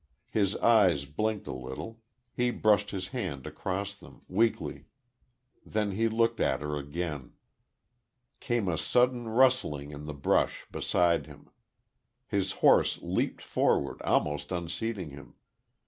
His eyes blinked a little; he brushed his hand across them, weakly. Then he looked at her again. Came a sudden rustling in the brush, beside him. His horse leaped forward, almost unseating him....